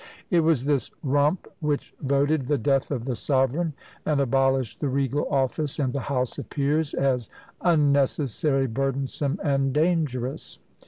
It was this Rump which voted the death of the sovereign, and abolished the regal office, and the House of Peers as "unnecessary, burdensome, and dangerous!"